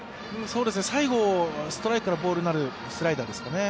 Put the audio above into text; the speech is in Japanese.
最後、ストライクからボールになるスライダーですかね